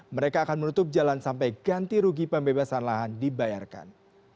mereka akan menutup jalan sampai ganti rugi pembebasan lahan dibayarkan